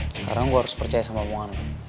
sekarang gue harus percaya sama om anwar